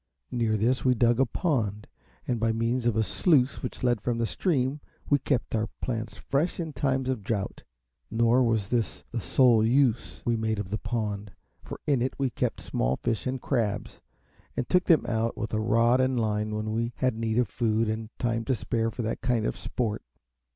Near this we dug a pond, and by means of a sluice which led from the stream, we kept our plants fresh in times of drought. Nor was this the sole use we made of the pond; for in it we kept small fish and crabs, and took them out with a rod and line when we had need of food, and time to spare for that kind of sport.